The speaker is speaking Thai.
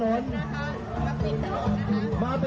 ขาดที่ไหน